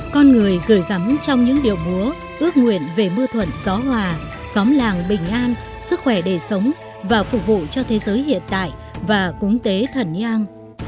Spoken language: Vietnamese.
con người gửi gắm trong những điệu múa ước nguyện về mưa thuận gió hòa xóm làng bình an sức khỏe đời sống và phục vụ cho thế giới hiện tại và cúng tế thần nhang